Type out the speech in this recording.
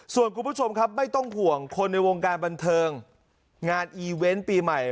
ส่วนคุณผู้ชมครับไม่ต้องห่วงคนในวงการบันเทิงงานอีเวนต์ปีใหม่